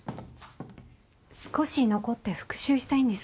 少し残って復習したいんですけど。